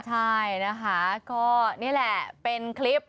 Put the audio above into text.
ใช่นะคะก็นี่แหละเป็นคลิป